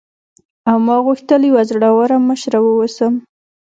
او ما غوښتل یوه زړوره مشره واوسم.